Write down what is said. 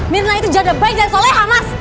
mirna itu jahat baik dan soleha mas